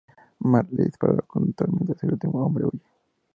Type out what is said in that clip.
Matt le dispara al conductor mientras el último hombre huye.